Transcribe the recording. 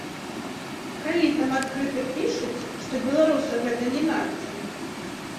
Калі там адкрыта пішуць, што беларусы гэта не нацыя.